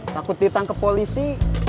takut ditangkep polisi